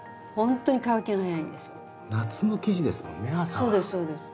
そうですそうです。